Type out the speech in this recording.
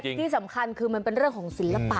ที่สำคัญคือมันเป็นเรื่องของศิลปะ